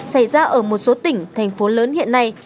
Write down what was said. xảy ra ở một số tỉnh thành phố lớn hiện nay